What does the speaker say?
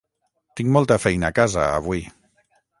Tinc molta feina a casa, avui.